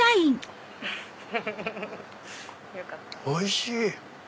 おいしい！